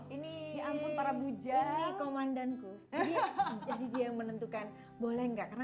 ini ampun para bujang komandanku jadi dia menentukan boleh enggak karena